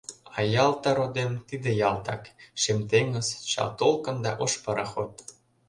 А Ялта, родем, — тиде Ялтак: Шем теҥыз, чал толкын да ош пароход.